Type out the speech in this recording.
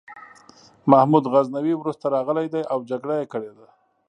محمود غزنوي وروسته راغلی دی او جګړه یې کړې ده.